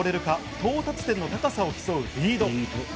到達点の高さを競うリード。